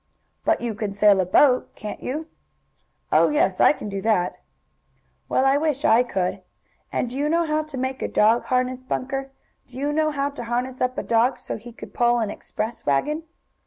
"But you can sail a boat; can't you?" "Oh, yes, I can do that," "Well, I wish I could. And do you know how to make a dog harness, Bunker? Do you know how to harness up a dog so he could pull an express wagon?"